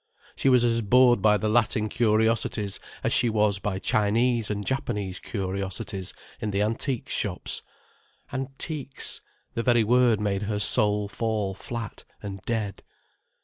She was as bored by the Latin curiosities as she was by Chinese and Japanese curiosities in the antique shops. "Antiques"—the very word made her soul fall flat and dead.